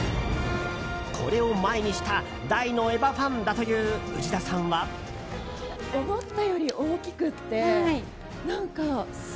これを前にした大の「エヴァ」ファンだという内田さんは。と、興奮気味に語った。